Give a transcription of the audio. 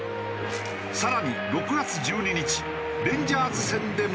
更に６月１２日レンジャーズ戦でも。